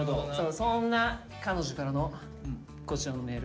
そんな彼女からのこちらのメール。